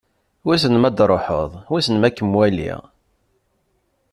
Wissen m'ad d-truḥeḍ, wiss m'ad kem-waliɣ.